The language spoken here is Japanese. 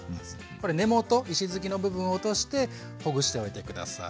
これ根元石づきの部分を落としてほぐしておいて下さい。